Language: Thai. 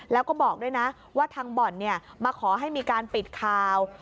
แล้วก็บอกด้วยนะว่าทางบ่อนมาขอให้มีการปิดข่าว